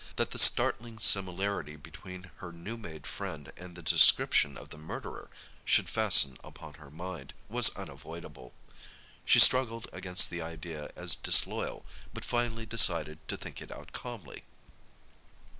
That the startling similarity between her new made friend and the description of the murderer should fasten upon her mind, was unavoidable. She struggled against the idea as disloyal, but finally decided to think it out calmly.